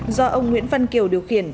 do ông nguyễn văn kiều điều khiển